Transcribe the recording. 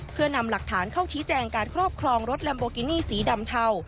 เพื่อนำหลักฐานเข้าชี้แจงการครอบครองรถลัมโบกินี่สีดำเทา